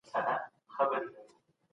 راځئ چي یوه روښانه راتلونکي جوړه کړو.